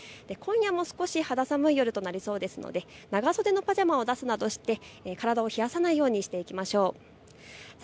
今夜も少し肌寒い夜となりそうですので長袖のパジャマを出すなどして体を冷やさないようにしていきましょう。